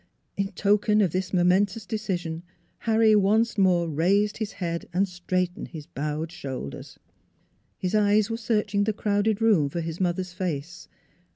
In token of this momentous decision Harry once more raised his head and straightened his bowed shoulders. His eyes were searching the crowded room for his mother's face.